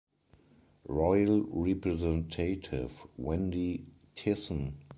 Royal representative, Wendy Thiessen.